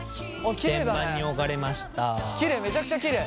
きれいめちゃくちゃきれい。